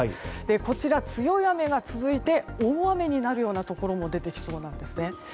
こちら、強い雨が続いて大雨になるところも出てきそうなんですね。